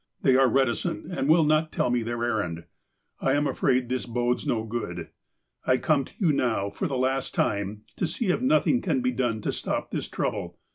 They are reticent, and will not tell me their errand. I am afraid that this bodes no good. I come to you now, for the last time, to see if nothing can be done to stop this trouble.